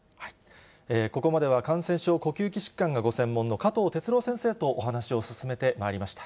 ここまでは感染症、呼吸器疾患がご専門の加藤哲朗先生とお話を進めてまいりました。